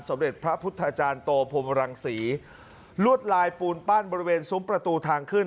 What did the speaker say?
เด็จพระพุทธาจารย์โตพรมรังศรีลวดลายปูนปั้นบริเวณซุ้มประตูทางขึ้น